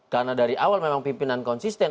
karena dari awal memang pimpinan konsisten